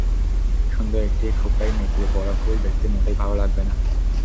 সুন্দর একটি খোঁপায় নেতিয়ে পড়া ফুল দেখতে মোটেই ভালো লাগবে না।